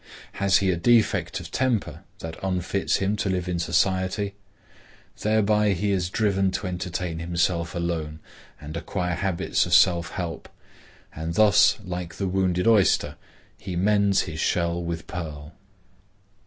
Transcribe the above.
Has he a defect of temper that unfits him to live in society? Thereby he is driven to entertain himself alone and acquire habits of self help; and thus, like the wounded oyster, he mends his shell with pearl.